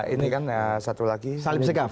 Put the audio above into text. ini kan satu lagi salim segam